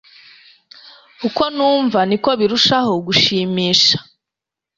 Uko numva, niko birushaho gushimisha